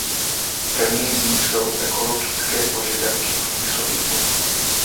Prvním z nich jsou ekologické požadavky průmyslových podniků.